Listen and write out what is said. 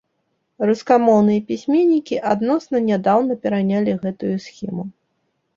Рускамоўныя пісьменнікі адносна нядаўна перанялі гэтую схему.